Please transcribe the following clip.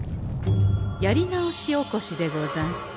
やりなおしおこしでござんす。